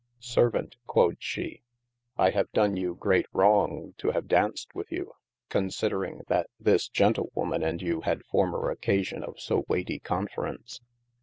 Servaunt (quod shee) I had done you great wrong to have daunced with you, consideringe that this gentlewoman and you had former occasion of so waighty conference.